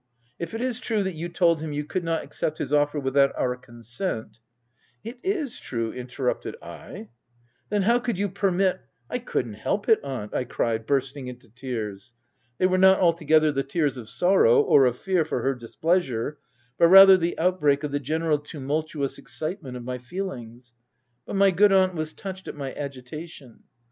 If it is true that you told him you could not accept his offer without our consent— " 6( It is true," interrupted I. Si Then how could you permit —"" I could'nt help it, aunt," I cried bursting into tears. They were not altogether the tears of sorrow, or of fear for her displeasure, but rather the outbreak of the general tumultuous excitement of my feelings. But my good aunt was touched at my agitation.